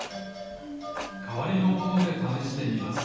かわりのものでためしてみます。